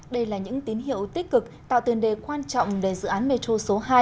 đây là những tín hiệu tích cực tạo tiền đề quan trọng để dự án metro số hai